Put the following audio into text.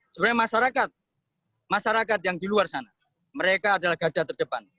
sebenarnya masyarakat masyarakat yang di luar sana mereka adalah gajah terdepan